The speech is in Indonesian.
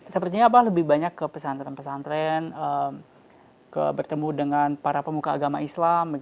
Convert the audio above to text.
sepertinya apa lebih banyak ke pesantren pesantren bertemu dengan para pemuka agama islam